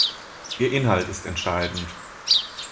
Ihr Inhalt ist entscheidend.